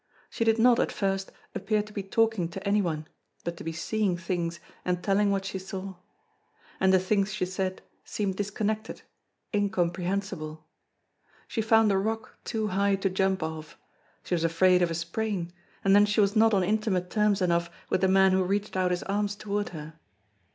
She did not, at first, appear to be talking to anyone, but to be seeing things and telling what she saw. And the things she said seemed disconnected, incomprehensible. She found a rock too high to jump off. She was afraid of a sprain, and then she was not on intimate terms enough with the man who reached out his arms toward her.